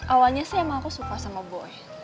awalnya sih emang aku suka sama boy